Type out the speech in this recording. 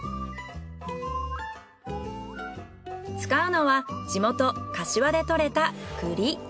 使うのは地元柏で採れた栗。